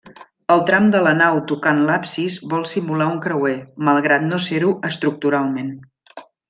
El tram de la nau tocant l'absis vol simular un creuer, malgrat no ser-ho estructuralment.